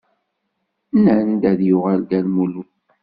Nnan-d ad yuɣal Dda Lmulud.